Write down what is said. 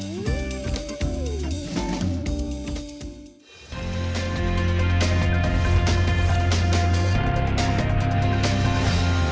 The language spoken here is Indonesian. sebagai daya tarik pentingnya sosialisasi sertifikasi profesi